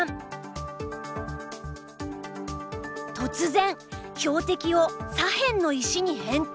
突然標的を左辺の石に変更。